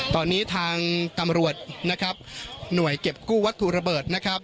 ตอนนี้ทางตำรวจนะครับหน่วยเก็บกู้วัตถุระเบิดนะครับ